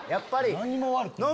何も悪くない。